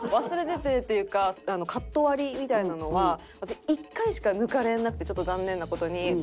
忘れててっていうかカット割りみたいなのが私１回しか抜かれなくてちょっと残念な事に。